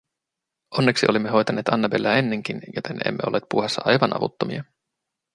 Onneksi olimme hoitaneet Annabelleä ennenkin, joten emme olleet puuhassa aivan avuttomia.